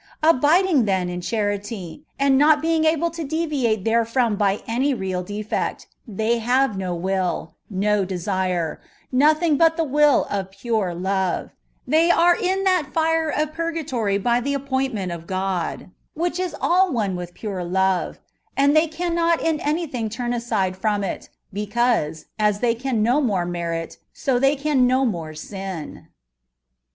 Abiding, then, in charity, and not being aìble to deviate therefròm by any real defect, they bave no will, no desire, nothing tut the will of pure love : they are in that fire of purgatory by the appointment of Gk>d, which is ali one with pure love ; and they can not in any thing tum aside from it, because, as they can no more merit, so they can no more sin.